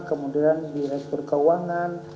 kemudian direktur keuangan